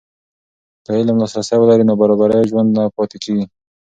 که علم لاسرسی ولري، نابرابري ژوره نه پاتې کېږي.